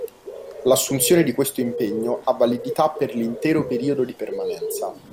L’assunzione di questo impegno ha validità per l’intero periodo di permanenza